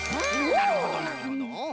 なるほどなるほど。